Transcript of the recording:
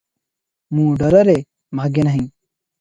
ମୁଁ ଡରରେ ମାଗେ ନାହିଁ ।